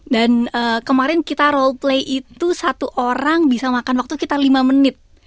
dan kemarin kita roleplay itu satu orang bisa makan waktu sekitar lima menit